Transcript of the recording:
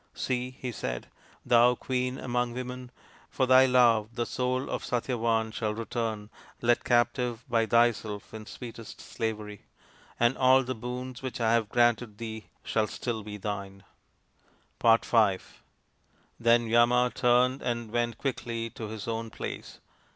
" See," he said, " thou queen among women, for thy love the soul of Satyavan shall return, led captive by thyself in sweetest slavery ; and all the boons which I have granted thee shall still be thine." Then Yama turned and went quickly to his own place.